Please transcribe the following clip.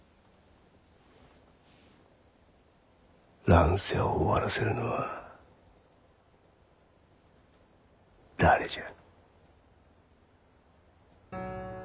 乱世を終わらせるのは誰じゃ。